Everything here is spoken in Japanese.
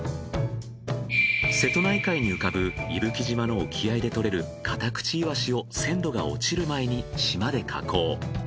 瀬戸内海に浮かぶ伊吹島の沖合いでとれるカタクチイワシを鮮度が落ちる前に島で加工。